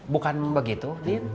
bukan begitu din